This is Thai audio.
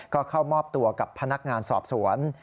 ก็เข้ามอบตัวกับพนักงานสอบสวน